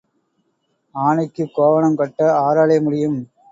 ஆனைக்குக் கோவணம் கட்ட ஆராலே முடியும்?